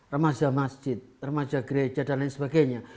ramadha masjid ramadha gereja dan lain sebagainya